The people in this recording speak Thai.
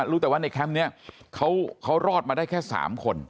รู้แต่ว่าในแคมป์นี้เขารอดมาได้แค่๓คน